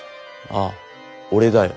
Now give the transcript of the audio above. ああ俺だよ。